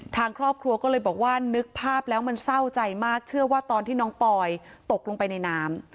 ทางครอบครัวก็เลยบอกว่านึกภาพแล้วมันเศร้าใจมากเชื่อว่าตอนที่น้องปอยตกลงไปในน้ำ